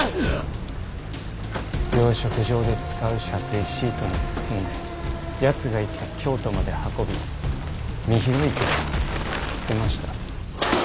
養殖場で使う遮水シートに包んで奴が行った京都まで運び深広池に捨てました。